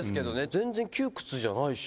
全然窮屈じゃないし。